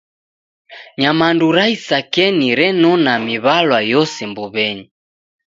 Nyamandu ra isakenyi renona miw'alwa yose mbuw'enyi.